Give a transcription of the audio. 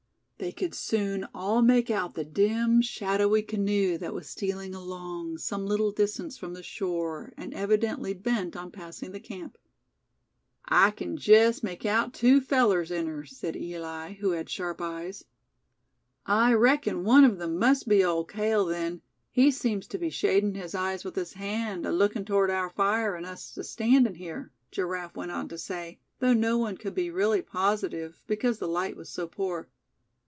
They could soon all make out the dim, shadowy canoe that was stealing along, some little distance from the shore, and evidently bent on passing the camp. "I kin jest make out two fellers in her," said Eli, who had sharp eyes. "I reckon one of them must be Old Cale, then; he seems to be shadin' his eyes with his hand, alookin' toward our fire, and us astandin' here," Giraffe went on to say, though no one could be really positive, because the light was so poor.